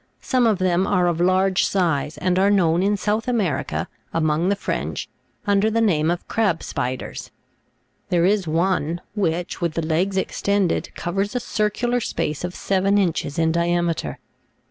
Some of them are of large size, and are known, in South America, among the French, under the name of crab spiders ; there is one, which, with the legs extended, covers a circular space of seven inches in diameter.